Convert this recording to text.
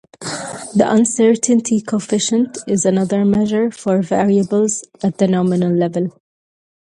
The uncertainty coefficient is another measure for variables at the nominal level.